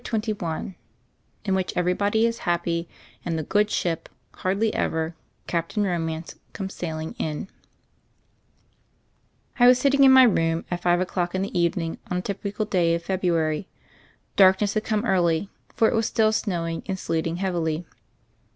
CHAPTER XXI IN WHICH EVERYBODY IS HAPPY AND THE GOOD SHIP "HARDLY EVER," CAPTAIN RO MANCE, COMES SAILING IN 1WAS sitting in my room at five o'clock in the evening on a typical day of February. Darkness had come early; for it was still snow ing and sleeting heavily.